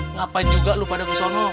ngapain juga lu pada ke sana